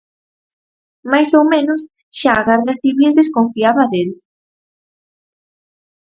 Máis ou menos, xa a Garda Civil desconfiaba del.